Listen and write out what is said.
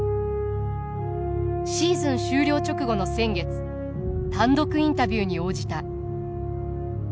シーズン終了直後の先月単独インタビューに応じた。